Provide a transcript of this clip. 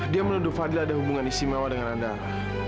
dia menuduh fadil ada hubungan istimewa dengan anda